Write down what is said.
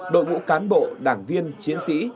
đội ngũ cán bộ đảng viên chiến sĩ